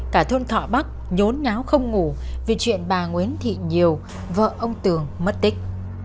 cả thôn thọ bắc nhốn nháo không ngủ vì chuyện bà nguyễn thị nhiều vợ ông tường mất tích